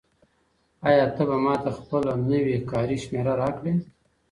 آیا ته به ماته خپله نوې کاري شمېره راکړې؟